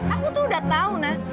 aku tuh udah tahu na